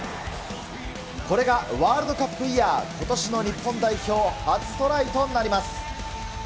これがワールドカップイヤーことしの日本代表初トライとなります。